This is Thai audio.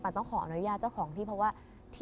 ต้องขออนุญาตเจ้าของที่เพราะว่า